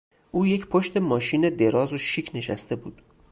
او پشت یک ماشین دراز و شیک نشسته بود.